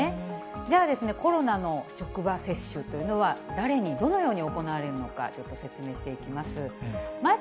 じゃあですね、コロナの職場接種というのは、誰にどのように行われるのか、ちょっと説明していきます。